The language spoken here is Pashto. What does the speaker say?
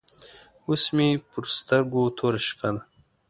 اوس مې پر سترګو توره شپه ده.